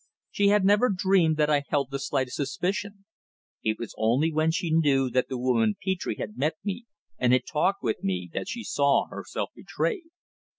She had never dreamed that I held the slightest suspicion. It was only when she knew that the woman Petre had met me and had talked with me that she saw herself betrayed.